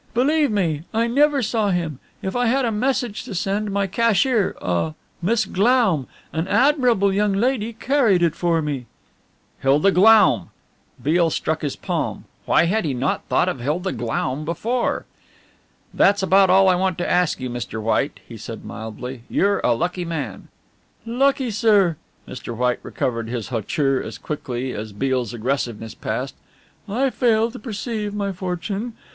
"Believe me, I never saw him if I had a message to send, my cashier ah Miss Glaum, an admirable young lady carried it for me." "Hilda Glaum!" Beale struck his palm. Why had he not thought of Hilda Glaum before? "That's about all I want to ask you, Mr. White," he said mildly; "you're a lucky man." "Lucky, sir!" Mr. White recovered his hauteur as quickly as Beale's aggressiveness passed. "I fail to perceive my fortune.